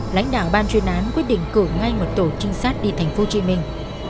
lãnh đạo ban chuyên án quyết định cử ngay một tổ trinh sát đi thành phố hồ chí minh